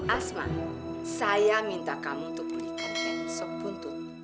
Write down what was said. asma saya minta kamu untuk belikan kain sok buntut